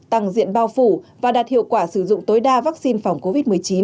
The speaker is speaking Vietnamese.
tăng diện bao phủ và đạt hiệu quả sử dụng tối đa vaccine phòng covid một mươi chín